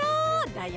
だよ。